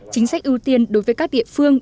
chính sách ưu tiên đối với các địa phương